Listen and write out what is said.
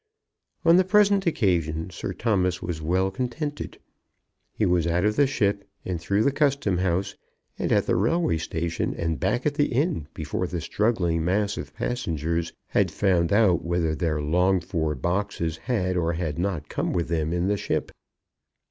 On the present occasion Sir Thomas was well contented. He was out of the ship, and through the Custom House, and at the railway station, and back at the inn before the struggling mass of passengers had found out whether their longed for boxes had or had not come with them in the ship.